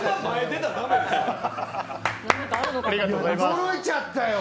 驚いちゃったよ。